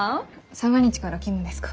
三が日から勤務ですか？